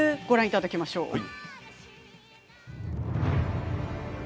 ご覧いただきましょう。